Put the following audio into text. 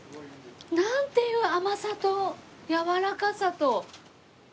なんていう甘さとやわらかさと。